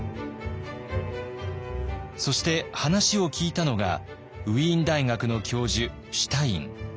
そして話を聞いたのがウィーン大学の教授シュタイン。